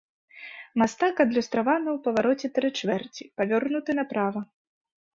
Мастак адлюстраваны ў павароце тры чвэрці, павернуты направа.